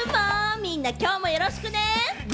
みんな、きょうもよろしくね！